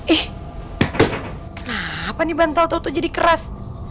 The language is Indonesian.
ih kenapa nih bantal tuh jadi keras